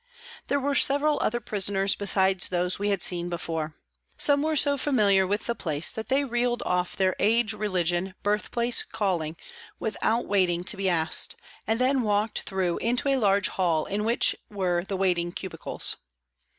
There were several other prisoners besides those we had seen before. Some were so familiar with the place that they reeled off their age, religion, birthplace, calling, without waiting to be asked, and then walked through into a large hall in which were the waiting cubicles.